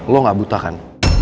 lo gak buta kan